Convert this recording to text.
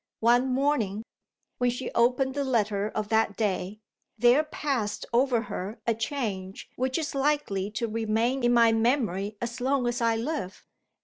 One morning, when she opened the letter of that day, there passed over her a change which is likely to remain in my memory as long as I live.